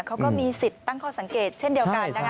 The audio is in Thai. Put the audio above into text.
เขาก็มีสิทธิ์ตั้งข้อสังเกตเช่นเดียวกันนะคะ